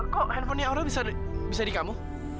kok handphonenya orang bisa di kamu